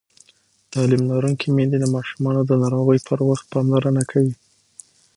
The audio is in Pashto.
تعلیم لرونکې میندې د ماشومانو د ناروغۍ پر وخت پاملرنه کوي.